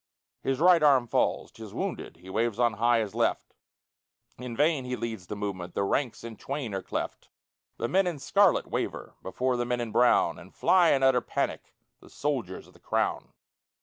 His right arm falls 'tis wounded; He waves on high his left; In vain he leads the movement, The ranks in twain are cleft. The men in scarlet waver Before the men in brown, And fly in utter panic The soldiers of the Crown!